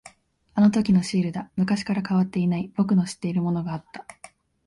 あのときのシールだ。昔から変わっていない、僕の知っているものがあった。